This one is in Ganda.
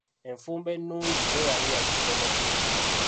Enfumba ennungi yo yali yagisoma.